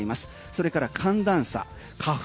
それから寒暖差、花粉